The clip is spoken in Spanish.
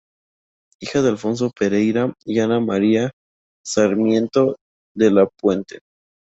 Hija de Alfonso Pereyra y Ana María Sarmiento de la Puente.